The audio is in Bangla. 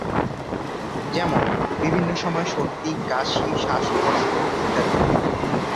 যেমন বিভিন্ন সময়ে সর্দি, কাশি, শ্বাসকষ্ট ইত্যাদি।